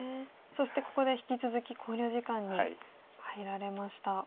そしてここで引き続き考慮時間に入られました。